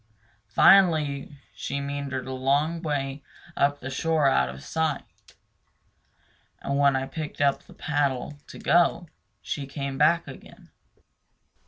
Finally she meandered a long way up the shore out of sight, and when I picked up the paddle to go, she came back again.